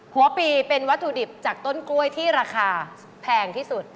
หัวปีเป็นวัตถุดิบจากต้นกล้วยที่ราคาแพงที่สุด